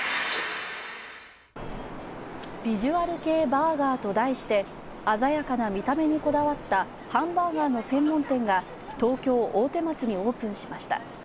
ビジュアル系バーガーと題して、鮮やかな見た目にこだわったハンバーガーの専門店が、東京大手町にオープンしました。